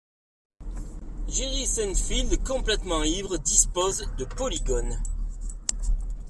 Jerry Seinfeld complètement ivre dispose de polygones.